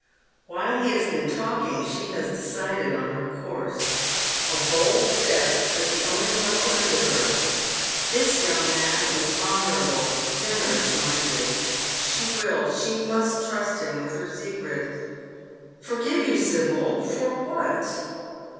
While he has been talking she has decided on her course. A bold step, but the only one open to her. This young man is honourable, generous minded. She will, she must trust him with her secret. " Forgive you, Sibyl, for what